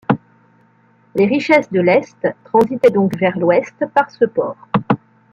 Les richesses de l’Est transitaient donc vers l’Ouest par ce port.